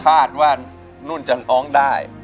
คาดว่านุ่นจะร้องได้